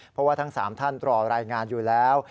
เพราะว่าทั้ง๓ท่านรอรายงานอยู่แล้ว